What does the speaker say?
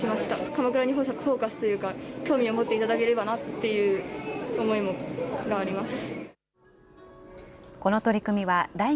鎌倉にフォーカスというか、興味を持っていただければなっていう思いがあります。